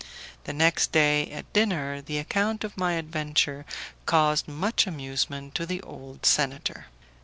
The next day at dinner the account of my adventure caused much amusement to the old senator.